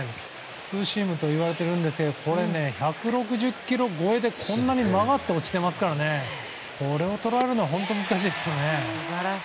ツーシームといわれていますがこれね、１６０キロ超えでこんなに曲がって落ちてますからこれを捉えるのは本当に難しいですよね。